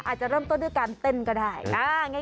อาจจะเริ่มต้นด้วยการเต้นก็ได้